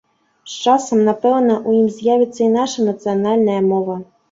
З часам, напэўна, у ім з'явіцца і наша нацыянальная мова.